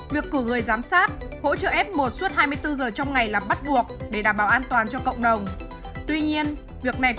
việc cử người giám sát hỗ trợ f một suốt hai mươi bốn giờ trong ngày là bắt buộc để đảm bảo an toàn cho cộng đồng